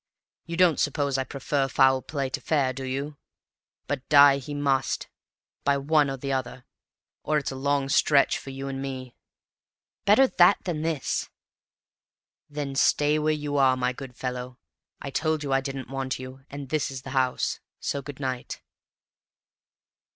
You don't suppose I prefer foul play to fair, do you? But die he must, by one or the other, or it's a long stretch for you and me." "Better that than this!" "Then stay where you are, my good fellow. I told you I didn't want you; and this is the house. So good night."